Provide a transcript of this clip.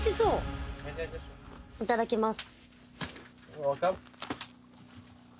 いただきます。